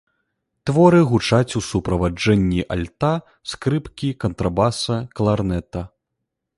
Творы гучаць у суправаджэнні альта, скрыпкі, кантрабаса, кларнета.